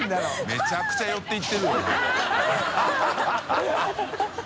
めちゃくちゃ寄っていってるよな魯魯蓮